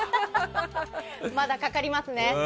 まだかかりますね。